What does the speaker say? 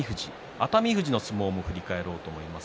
熱海富士の相撲も振り返ろうと思います。